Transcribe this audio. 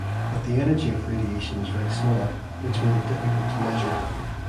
But the energy of radiation was very small, which made it difficult to measure.